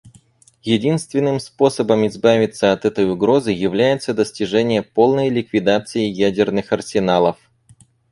Единственным способом избавиться от этой угрозы является достижение полной ликвидации ядерных арсеналов.